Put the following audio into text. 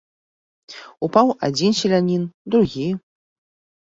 Упаў адзін селянін, другі.